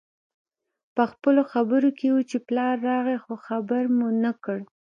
پخپلو خبرو کې وو چې پلار راغی خو خبر مو نه کړ